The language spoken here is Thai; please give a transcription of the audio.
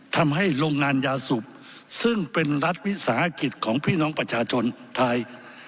ทำให้โรงงานยาสูบซึ่งเป็นรัฐวิสาหกิจของพี่น้องประชาชนไทย